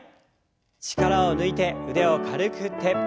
力を抜いて腕を軽く振って。